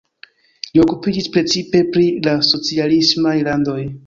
Li okupiĝis precipe pri la socialismaj landoj.